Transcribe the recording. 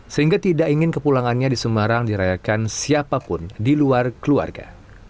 sehingga tidak ingin kepulangannya di semarang dirayakan siapapun di luar keluarga